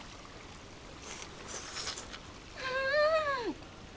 うん！